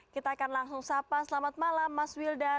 kita akan langsung sapa selamat malam mas wildan